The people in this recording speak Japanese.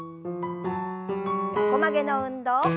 横曲げの運動。